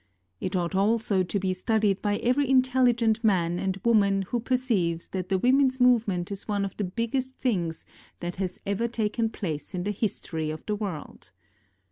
It ought also to be studied by every intelligent man and woman who perceives that the women's movement is one of the biggest things that has ever taken place in the history of the world.